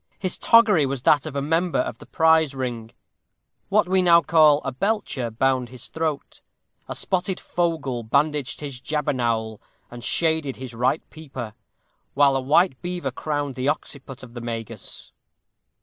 His toggery was that of a member of the prize ring; what we now call a "belcher" bound his throat; a spotted fogle bandaged his jobbernowl, and shaded his right peeper, while a white beaver crowned the occiput of the Magus.